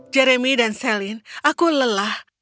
jeremy dan celine aku lelah